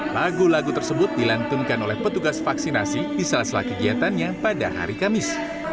lagu lagu tersebut dilantunkan oleh petugas vaksinasi di salah salah kegiatannya pada hari kamis